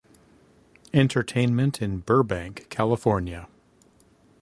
Entertainment in Burbank, California.